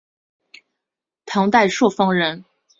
唐代朔方人。